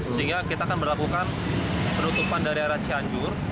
sehingga kita akan berlakukan penutupan dari arah cianjur